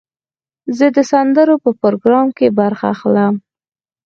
زه د سندرو په پروګرام کې برخه اخلم.